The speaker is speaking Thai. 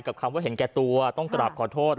คำว่าเห็นแก่ตัวต้องกราบขอโทษ